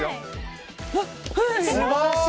素晴らしい！